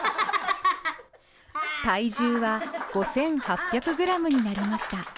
体重は５８００グラムになりました。